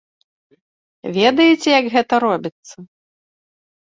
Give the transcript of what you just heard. Ведаеце, як гэта робіцца?